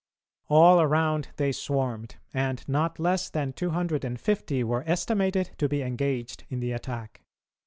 All around they swarmed, and not less than 250 were estimated to be engaged in the attack.